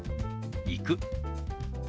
「行く」。